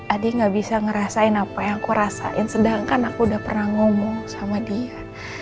adik gak bisa ngerasain apa yang aku rasain sedangkan aku udah pernah ngomong sama dia